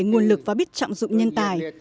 nguồn lực và biết trọng dụng nhân tài